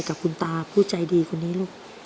ครับสวัสดีครับ